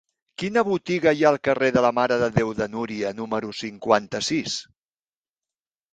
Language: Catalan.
Quina botiga hi ha al carrer de la Mare de Déu de Núria número cinquanta-sis?